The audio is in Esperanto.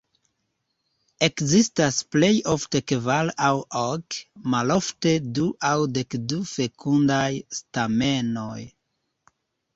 Ekzistas plej ofte kvar aŭ ok, malofte du aŭ dekdu fekundaj stamenoj.